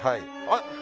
あっ！